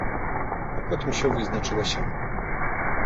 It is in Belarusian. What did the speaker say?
А потым усё вызначылася.